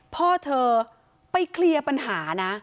พ่อเธอไปเคลียร์ปัญหานะ